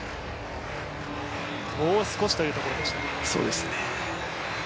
もう少しというところでした。